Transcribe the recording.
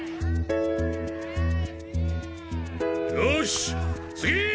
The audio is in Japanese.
よおし次！